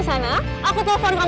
selalu pake kekerasan